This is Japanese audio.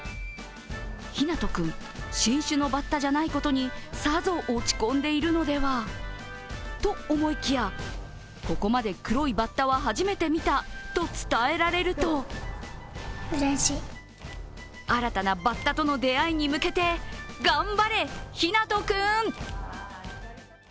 陽南斗君、新種のバッタじゃないことに、さぞ落ち込んでいるのではと思いきや、ここまで黒いバッタは初めて見た、と伝えられると新たなバッタとの出会いに向けて頑張れ、陽南斗君！